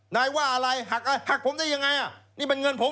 นายว่าอะไรหักผมได้อย่างไรนี่เป็นเงินผม